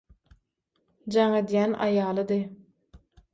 Jaň edýän aýalydy.